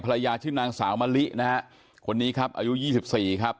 ชื่อนางสาวมะลินะฮะคนนี้ครับอายุ๒๔ครับ